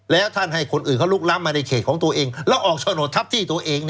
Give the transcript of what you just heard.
แล้วท่านให้คนอื่นเขาลุกล้ำมาในเขตของตัวเองแล้วออกโฉนดทับที่ตัวเอง